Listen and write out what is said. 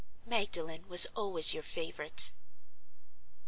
"Magdalen was always your favorite."